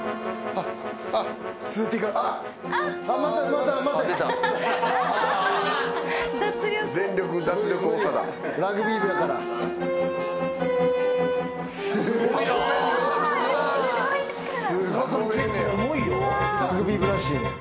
あいつラグビー部らしいねん。